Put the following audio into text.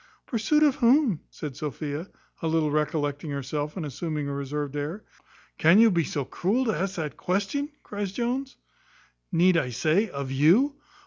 "Pursuit of whom?" said Sophia, a little recollecting herself, and assuming a reserved air. "Can you be so cruel to ask that question?" cries Jones; "Need I say, of you?"